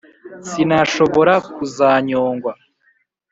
Sinashobora kuzanyongwa